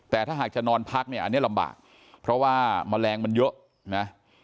แต่ถ้าหากจะนอนพักเนี่ยอันนี้ลำบากเพราะว่าแมลงมันเยอะนะ